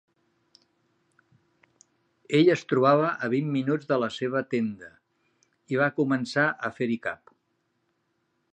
Ell es trobava a vint minuts de la seva tenda, i va començar a fer-hi cap.